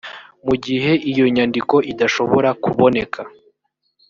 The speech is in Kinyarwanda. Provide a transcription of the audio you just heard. mu gihe iyo nyandiko idashobora kuboneka